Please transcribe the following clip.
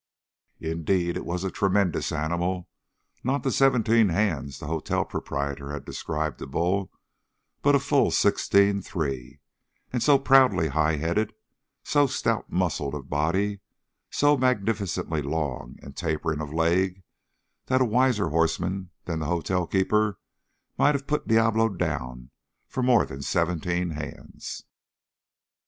Indeed, it was a tremendous animal. Not the seventeen hands that the hotel proprietor had described to Bull, but a full sixteen three, and so proudly high headed, so stout muscled of body, so magnificently long and tapering of leg, that a wiser horseman than the hotelkeeper might have put Diablo down for more than seventeen hands.